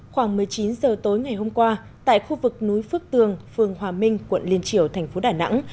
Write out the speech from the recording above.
khoảng một mươi chín giờ tối ngày hôm qua tại khu vực núi phước tường phường hòa minh quận liên triều thành phố đà nẵng